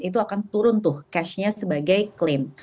itu akan turun tuh cash nya sebagai klaim